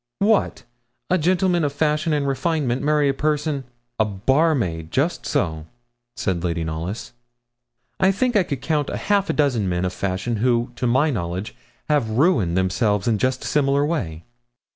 'What! a gentleman of fashion and refinement marry a person ' 'A barmaid! just so,' said Lady Knollys. 'I think I could count half a dozen men of fashion who, to my knowledge, have ruined themselves just in a similar way.'